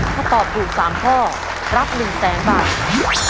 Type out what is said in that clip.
ถ้าตอบถูกสามข้อรับหนึ่งแสงบาท